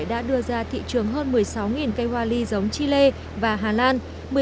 đã đưa ra thị trường hơn một mươi sáu cây hoa ly giống chile và hà lan